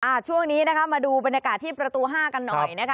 ช่วงนี้นะคะมาดูบรรยากาศที่ประตูห้ากันหน่อยนะคะ